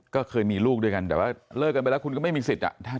ก็เคยมีลูกด้วยกันแต่ว่าเลิกกันไปแล้วคุณก็ไม่มีสิทธิ์